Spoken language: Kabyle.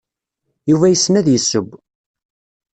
Yuba yessen ad yesseww.